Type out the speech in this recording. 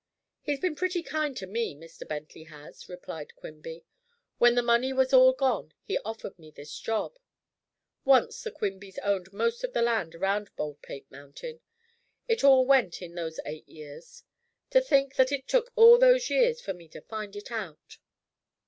"He's been pretty kind to me, Mr. Bentley has," replied Quimby. "When the money was all gone, he offered me this job. Once the Quimbys owned most of the land around Baldpate Mountain. It all went in those eight years. To think that it took all those years for me to find it out."